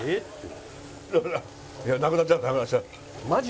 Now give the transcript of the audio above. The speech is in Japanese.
いやなくなっちゃうなくなっちゃう。